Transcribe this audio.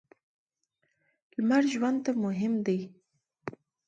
لمر ژوند ته مهم دی.